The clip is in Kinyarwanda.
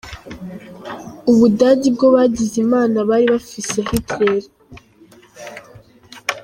Ubudagi bo bagize Imana bari bafise Hitler.